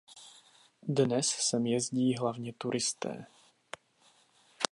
Dnes sem jezdí hlavně turisté.